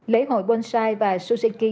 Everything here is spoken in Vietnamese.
lễ hội bonsai và suzuki